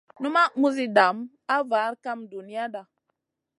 Numaʼ muzi dam a var kam duniyada.